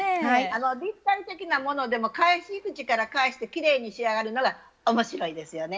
立体的なものでも返し口から返してきれいに仕上がるのが面白いですよね。